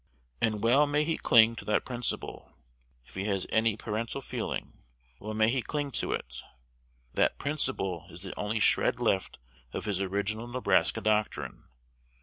And well may he cling to that principle! If he has any parental feeling, well may he cling to it! That principle is the only shred left of his original Nebraska doctrine.